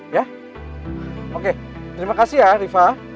ya oke terima kasih ya rifa